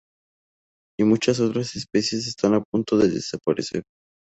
Y muchas otras especies están a punto de desaparecer.